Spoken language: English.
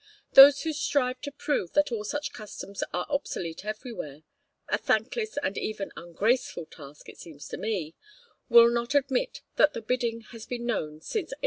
Those who strive to prove that all such customs are obsolete everywhere a thankless and even ungraceful task, it seems to me will not admit that the Bidding has been known since 1870.